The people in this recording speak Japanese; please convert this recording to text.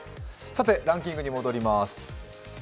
ランキングに戻ります。